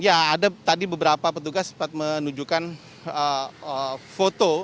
ya ada tadi beberapa petugas sempat menunjukkan foto